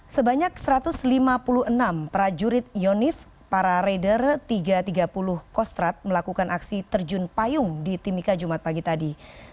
sebanyak satu ratus lima puluh enam prajurit yonif para raider tiga ratus tiga puluh kostrat melakukan aksi terjun payung di timika jumat pagi tadi